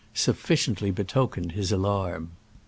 sufficiently betoken ed his alarm."